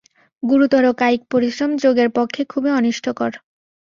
গুরুতর কায়িক পরিশ্রম যোগের পক্ষে খুবই অনিষ্টকর।